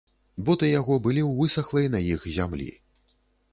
Боты яго былі ў высахлай на іх зямлі.